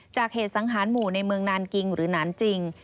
จากเหตุสังหารหมู่ในเมืองนานกิงหรือนานจริง